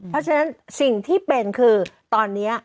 เพราะฉะนั้นสิ่งที่เป็นคือตอนนี้